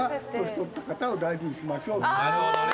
なるほどね。